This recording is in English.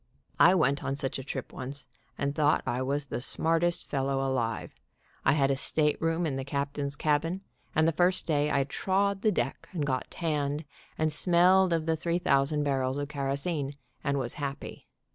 I went on such a trip once x and thought I was the smartest fellow alive. I had a stateroom in the captain's cabin, and the first day I trod the deck and got tanned, and smelled of the three thousand barrels of kerosene, and was happy.